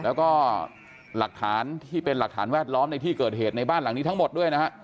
แล้วก็หลักฐานที่เป็นหลักฐานแวดล้อมในที่เกิดเหตุในบ้านหลังนี้ทั้งหมดด้วยนะฮะ